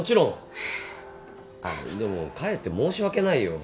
でもかえって申し訳ないよ。